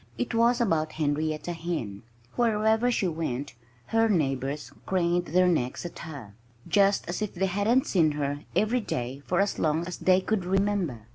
It was about Henrietta Hen. Wherever she went her neighbors craned their necks at her, just as if they hadn't seen her every day for as long as they could remember.